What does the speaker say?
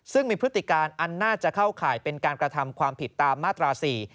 ซึ่งมีพฤติการอันน่าจะเข้าข่ายเป็นการกระทำความผิดตามมาตรา๔